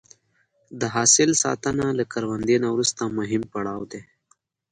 د حاصل ساتنه له کروندې نه وروسته مهم پړاو دی.